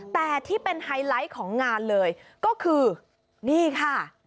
แต่ที่เป็นไฮไลท์ของงานเลยก็คือนี่ค่ะ